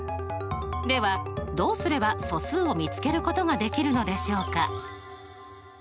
ではどうすれば素数を見つけることができるのでしょうか？